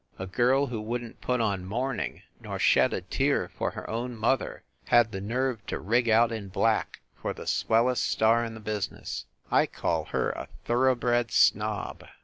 A girl who wouldn t put on mourning nor shed a tear for her own mother, had the nerve to rig out in black for the swellest star in the business! I call her a thoroughbred snob!